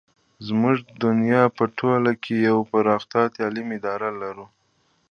زموږ دنیا په ټوله کې یوه پراخه تعلیمي اداره ده.